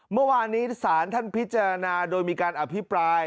เมื่อวานนี้ศาลท่านพิจารณาโดยมีการอภิปราย